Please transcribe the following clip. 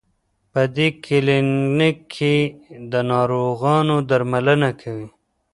په دې کلینک کې د ناروغانو درملنه کوي.